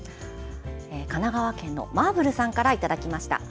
神奈川県のマーブルさんからいただきました。